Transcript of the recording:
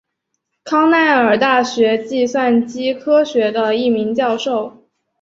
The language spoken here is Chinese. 康奈尔大学计算机科学的一名教授。